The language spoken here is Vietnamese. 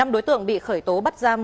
năm đối tượng bị khởi tố bắt giam